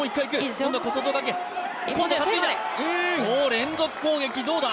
連続攻撃、どうだ。